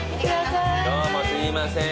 どうもすいません。